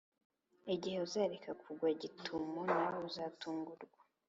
igihe uzareka kugwa gitumo, nawe uzatungurwa.